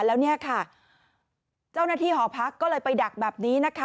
แล้วเนี่ยค่ะเจ้าหน้าที่หอพักก็เลยไปดักแบบนี้นะคะ